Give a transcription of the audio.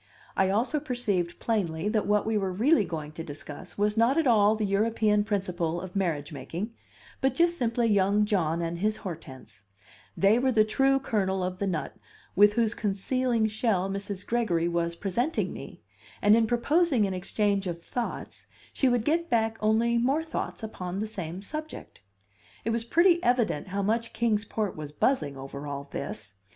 I also perceived plainly that what we were really going to discuss was not at all the European principle of marriage making, but just simply young John and his Hortense; they were the true kernel of the nut with whose concealing shell Mrs. Gregory was presenting me, and in proposing an exchange of thoughts she would get back only more thoughts upon the same subject. It was pretty evident how much Kings Port was buzzing over all this!